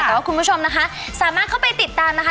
แต่ว่าคุณผู้ชมนะคะสามารถเข้าไปติดตามนะคะ